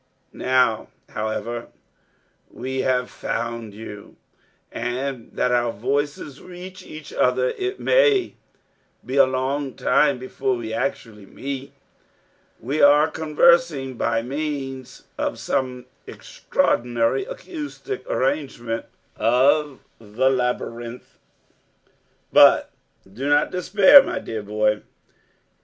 Now, however, that we have found you, and that our voices reach each other, it may be a long time before we actually meet. We are conversing by means of some extraordinary acoustic arrangement of the labyrinth. But do not despair, my dear boy.